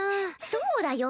そうだよ。